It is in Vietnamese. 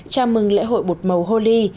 chào mừng lễ hội bột màu holi